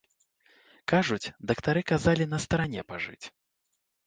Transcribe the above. Кажуць, дактары казалі на старане пажыць.